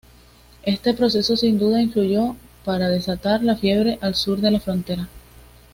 Este proceso sin duda influyó para desatar la fiebre al sur de la frontera.